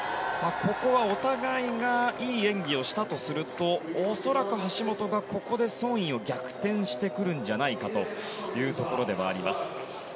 ここはお互いがいい演技をしたとすると恐らく、橋本がここでソン・イを逆転してくるんじゃないかというところではあります。